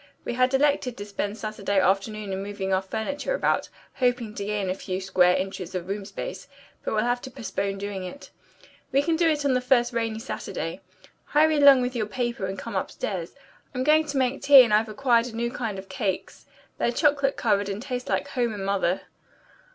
We had elected to spend Saturday afternoon in moving our furniture about, hoping to gain a few square inches of room space, but we'll have to postpone doing it. We can do it the first rainy Saturday. Hurry along with your paper and come upstairs. I'm going to make tea, and I've acquired a new kind of cakes. They're chocolate covered and taste like home and mother."